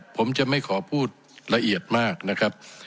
ผมจะไม่ขอพูดละเอียดมากนะครับ